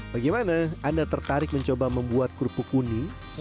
bagaimana anda tertarik mencoba membuat kerupuk kuning